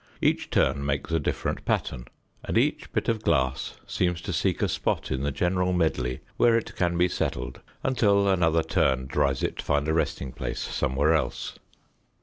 Each turn makes a different pattern and each bit of glass seems to seek a spot in the general medley where it can be settled until another turn drives it to find a resting place somewhere else.